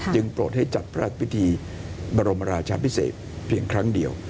โปรดให้จัดพระราชพิธีบรมราชาพิเศษเพียงครั้งเดียว